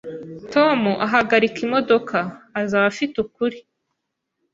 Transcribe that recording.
Tom ahagarika imodoka. Azaba afite ukuri